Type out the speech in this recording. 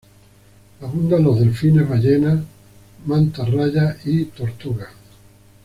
Abundan los delfines, ballenas, mantarrayas y tortugas.